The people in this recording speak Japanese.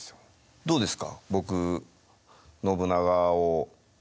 どうですか？